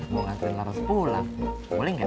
mau ngantre laras pulang boleh gak